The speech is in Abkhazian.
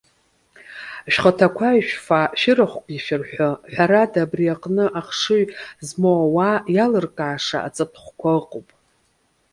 Шәхаҭақәа ишәфа, шәырахәгьы шәырҳәы. Ҳәарада, абри аҟны ахшыҩ змоу ауаа иалыркааша аҵатәхәқәа ыҟоуп.